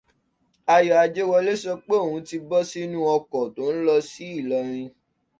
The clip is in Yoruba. Ayọ̀ Ajéwọlé sọ pé òun ti bọ́ sínú ọkọ̀ tó ń lọ sí Ìlọrin